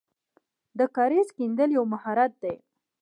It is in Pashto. د کاریز کیندل یو مهارت دی.